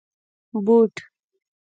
👞 بوټ